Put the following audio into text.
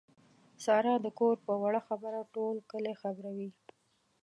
ساره د کور په وړه خبره ټول کلی خبروي.